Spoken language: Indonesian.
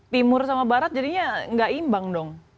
timur sama barat jadinya nggak imbang dong